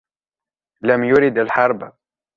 لم يرد الحرب.